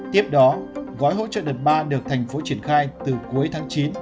tiếp đó gói hỗ trợ đợt ba được thành phố triển khai từ cuối tháng chín